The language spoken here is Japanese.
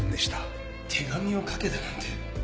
手紙を書けだなんて。